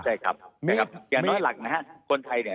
แต่อย่างน้อยหลักนะฮะ